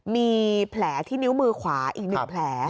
มีแผลที่นิ้วมือขวาอีก๑แผล